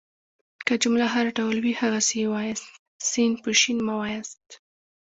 که جمله هر ډول وي هغسي يې وایاست. س په ش مه واياست.